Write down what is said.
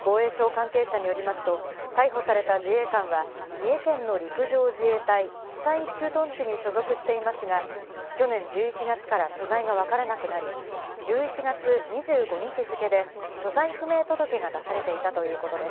防衛省関係者によりますと、逮捕された自衛官は、三重県の陸上自衛隊久居駐屯地に所属していますが、去年１１月から所在が分からなくなり、１１月２５日付で、所在不明届が出されていたということです。